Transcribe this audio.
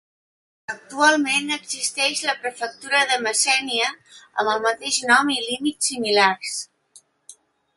Actualment existeix la prefectura de Messènia amb el mateix nom i límits similars.